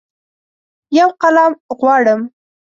یوقلم غواړم